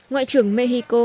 ngoại trưởng mexico